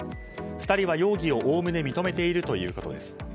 ２人は容疑をおおむね認めているということです。